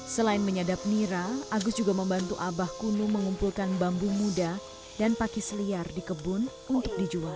selain menyadap nira agus juga membantu abah kunu mengumpulkan bambu muda dan pakis liar di kebun untuk dijual